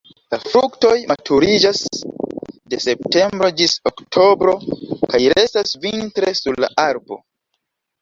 La fruktoj maturiĝas de septembro ĝis oktobro kaj restas vintre sur la arbo.